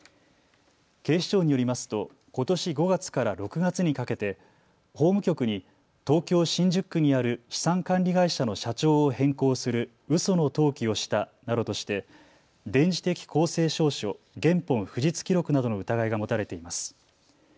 警視庁によりますとことし５月から６月にかけて法務局に東京新宿区にある資産管理会社の社長を変更するうその登記をしたなどとして電磁的公正証書原本不実記録などの疑いが持たれています。